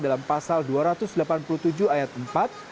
dalam pasal dua ratus delapan puluh tujuh ayat empat